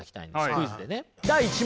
クイズでね。